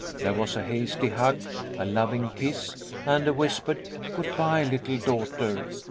There was a hasty hug, a loving kiss, and a whis pered "Good bye, little daughter.